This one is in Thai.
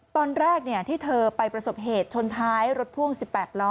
ตอนแรกที่เธอไปประสบเหตุชนท้ายรถพ่วง๑๘ล้อ